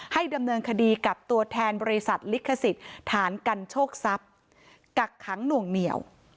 ดำเนินคดีกับตัวแทนบริษัทลิขสิทธิ์ฐานกันโชคทรัพย์กักขังหน่วงเหนียว